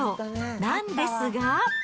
なんですが。